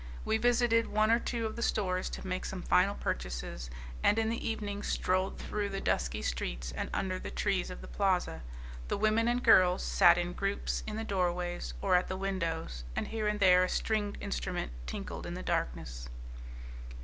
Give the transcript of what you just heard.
We visited one or two of the stores to make some final purchases, and in the evening strolled through the dusky streets and under the trees of the plaza; the women and girls sat in groups in the doorways or at the windows, and here and there a stringed instrument tinkled in the darkness.